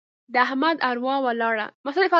د احمد اروا ولاړه.